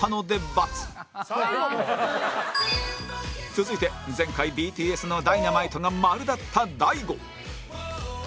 続いて前回 ＢＴＳ の『Ｄｙｎａｍｉｔｅ』が○だった大悟